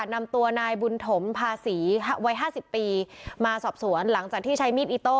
นำตัวนายบุญถมภาษีวัยห้าสิบปีมาสอบสวนหลังจากที่ใช้มีดอิโต้